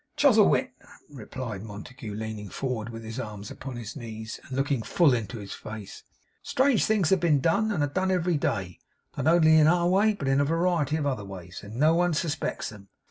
'Chuzzlewit!' replied Montague, leaning forward, with his arms upon his knees, and looking full into his face. 'Strange things have been done, and are done every day; not only in our way, but in a variety of other ways; and no one suspects them.